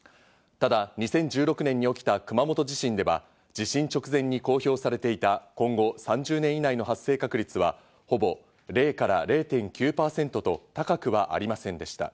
ただ２０１６年に起きた熊本地震では、地震直前に公表されていた、今後３０年以内の発生確率はほぼ０から０．９％と高くはありませんでした。